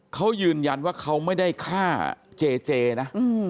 เขายืนยันว่าเขาไม่ได้ฆ่าเจเจนะ